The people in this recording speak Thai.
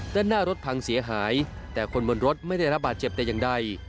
ด้านหน้ารถพังเสียหายแต่คนบนรถไม่ได้รับบาดเจ็บแต่อย่างใด